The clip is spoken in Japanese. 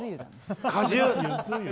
果汁？